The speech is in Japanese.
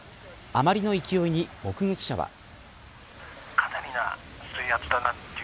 あまりの勢いに目撃者は。